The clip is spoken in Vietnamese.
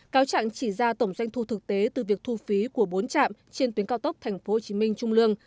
cáo trạng chỉ ra tổng doanh thu thực tế từ việc thu phí của bốn trạm trên tuyến cao tốc tp hcm trung lương